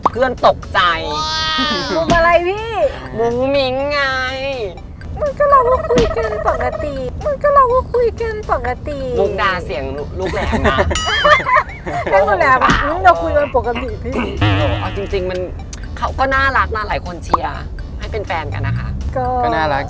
เพื่อนตกใจอ้าว